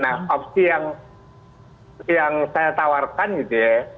nah opsi yang saya tawarkan gitu ya